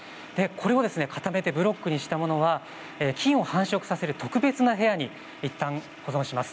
これを固めてブロックにしたものは菌を繁殖させる特別な部屋にいったん保存します。